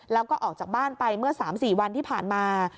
แล้วก็ออกจากบ้านไปเมื่อ๓๔วันที่ผ่านมา